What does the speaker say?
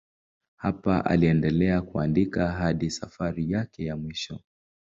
Hapa aliendelea kuandika hadi safari yake ya mwisho.